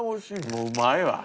もううまいわ。